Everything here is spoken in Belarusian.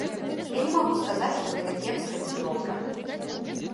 Я не магу сказаць, што гэта кепска ці добра.